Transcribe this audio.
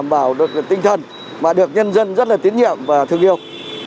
bảo được tinh thần mà được nhân dân rất là tín nhiệm và thương yêu